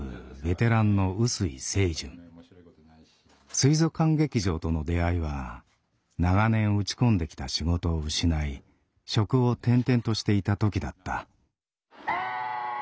水族館劇場との出会いは長年打ち込んできた仕事を失い職を転々としていた時だった。